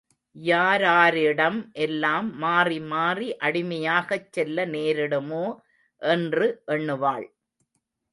யாராரிடம் எல்லாம் மாறிமாறி அடிமையாகச்செல்ல நேரிடுமோ என்று எண்ணுவாள்.